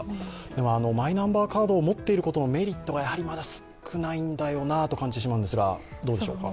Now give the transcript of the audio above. でも、マイナンバーカードを持っていることのメリットが、やはりまだ少ないんだよと感じてしまうんですが。